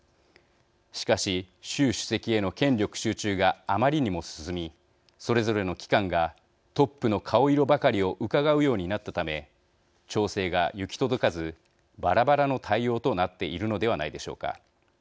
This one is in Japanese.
しかし習主席への権力集中があまりにも進みそれぞれの機関がトップの顔色ばかりをうかがうようになったため調整が行き届かずばらばらの対応となっているのではないでしょうか。